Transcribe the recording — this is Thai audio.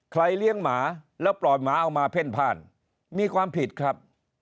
เลี้ยงหมาแล้วปล่อยหมาเอามาเพ่นพ่านมีความผิดครับ